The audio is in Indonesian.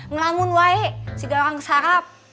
melamun wae si garang sarap